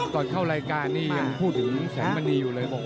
ก่อนเข้ารายการนี่ยังพูดถึงแสงมณีอยู่เลย